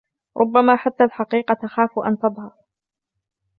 ربما حتى الحقيقة تخاف أن تظهر.